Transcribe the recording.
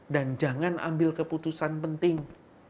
dan jangan ambil keputusan penting